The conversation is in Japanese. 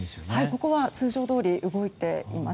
ここは通常どおり動いています。